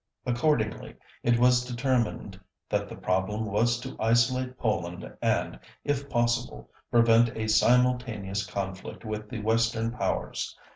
Accordingly, it was determined that the problem was to isolate Poland and, if possible, prevent a simultaneous conflict with the Western Powers.